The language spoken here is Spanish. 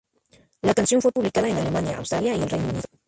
La canción fue publicada en Alemania, Australia y el Reino Unido.